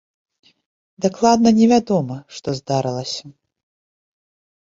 Дакладна не вядома, што здарылася.